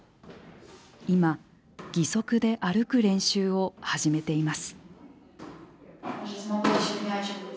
今義足で歩く練習を始めています。